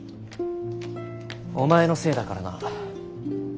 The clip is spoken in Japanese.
お前のせいだからな。